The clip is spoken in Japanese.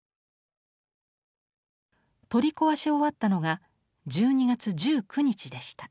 取り壊し終わったのが１２月１９日でした。